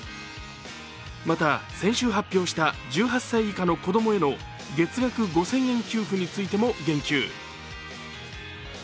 また、先週発表した１８歳以下の子供への月額５０００円給付についも言及。